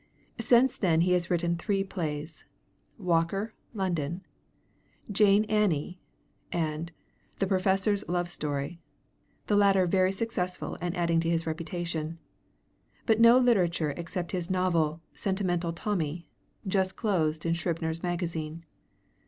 Since then he has written three plays, 'Walker, London,' 'Jane Annie,' and 'The Professor's Love Story,' the latter very successful and adding to his reputation; but no literature except his novel 'Sentimental Tommy,' just closed in Scribner's Magazine.